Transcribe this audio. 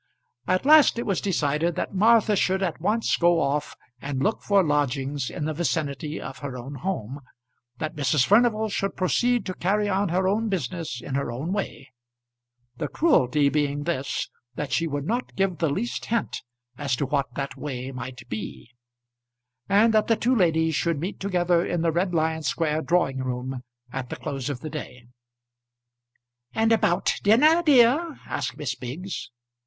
At last it was decided that Martha should at once go off and look for lodgings in the vicinity of her own home, that Mrs. Furnival should proceed to carry on her own business in her own way, the cruelty being this, that she would not give the least hint as to what that way might be, and that the two ladies should meet together in the Red Lion Square drawing room at the close of the day. "And about dinner, dear?" asked Miss Biggs.